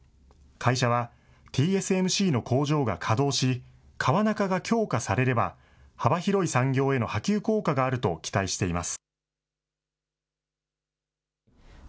会社は、ＴＳＭＣの工場が稼働し、川中が強化されれば、幅広い産業への波及効果があると期待しています。